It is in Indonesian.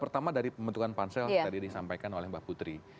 pertama dari pembentukan pansel tadi disampaikan oleh mbak putri